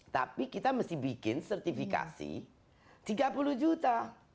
tapi kita mesti bikin sertifikasi tiga puluh juta